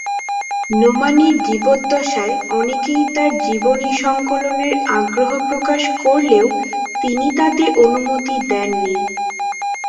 নোমানীর জীবদ্দশায় অনেকেই তার জীবনী সংকলনের আগ্রহ প্রকাশ করলেও তিনি তাতে অনুমতি দেননি।